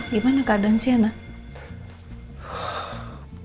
gimana keadaan sih anak